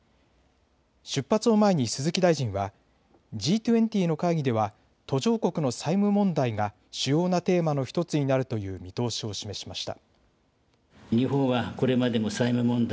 出発を前に鈴木大臣はＧ２０の会議では途上国の債務問題が主要なテーマの１つになるという見通しを示しました。